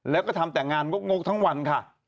แล้วก็ทำแต่งานงกทั้งวันค่ะ